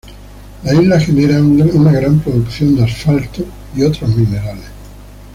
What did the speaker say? La isla genera una gran producción de asfalto y otros minerales.